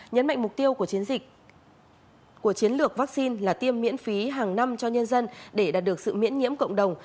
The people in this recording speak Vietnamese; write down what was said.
nhấn mạnh mục tiêu của chiến lược vaccine là tiêm miễn phí hàng năm cho nhân dân để đạt được sự miễn nhiễm cộng đồng